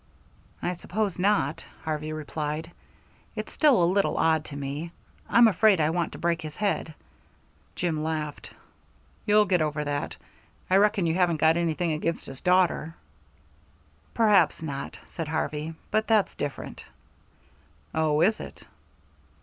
"I suppose not," Harvey replied. "It's still a little odd to me. I'm afraid I'd want to break his head." Jim laughed. "You'll get over that. I reckon you haven't got anything against his daughter." "Perhaps not," said Harvey; "but that's different." "Oh, is it?"